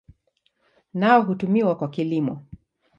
Nao hutumiwa kwa kilimo.